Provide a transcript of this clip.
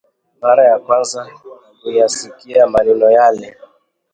Mara ya kwanza kuyasikia maneno yale